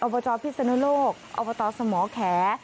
อวตพิษสนุโลกอวตสมแข